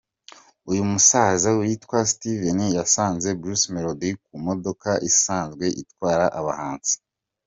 Uyu musaza witwa Steven yasanze Bruce Melodie ku mudoka isanzwe itwara abahanzi.